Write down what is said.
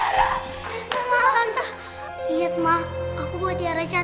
rumah sakit ini mana tiara